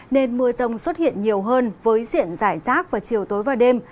nên mưa rông xuất hiện nhiều hơn với diện giải rác vào chiều tối và đêm